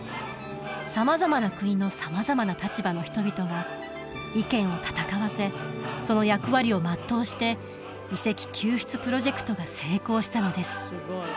様々な国の様々な立場の人々が意見を戦わせその役割を全うして遺跡救出プロジェクトが成功したのです